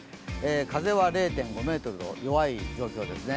風は０．５メートルと弱い状況ですね